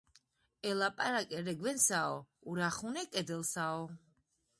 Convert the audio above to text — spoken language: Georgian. ელაპარაკე რეგვენსაო, ურახუნე კედელსაო